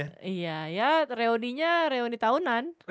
iya ya reuninya reuni tahunan